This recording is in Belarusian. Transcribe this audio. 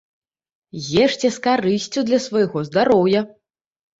Ешце з карысцю для свайго здароўя!